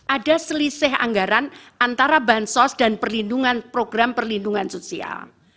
ada selisih anggaran antara bahan sos dan program perlindungan sosial